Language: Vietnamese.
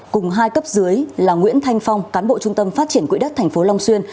cùng hai cấp dưới là nguyễn thanh phong cán bộ trung tâm phát triển quỹ đất tp long xuyên